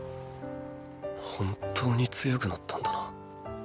本当に強くなったんだな。